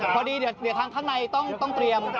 รับเป็นรัฐบาลได้ออกทางรัฐบาลไปเป็นฝ่ายคาร